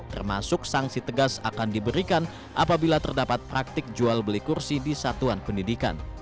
termasuk sanksi tegas akan diberikan apabila terdapat praktik jual beli kursi di satuan pendidikan